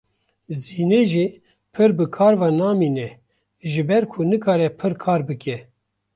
Zînê jî pir bi kar ve namîne ji ber ku nikare pir kar bike.